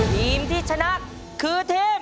ทีมที่ชนะคือทีม